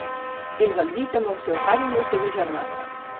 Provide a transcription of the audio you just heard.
És al llit amb el seu pare i la seva germana.